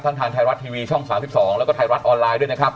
ทางไทยรัฐทีวีช่อง๓๒แล้วก็ไทยรัฐออนไลน์ด้วยนะครับ